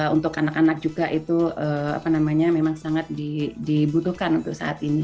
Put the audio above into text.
untuk anak anak juga itu memang sangat dibutuhkan untuk saat ini